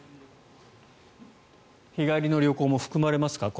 日帰りの旅行も含まれますか？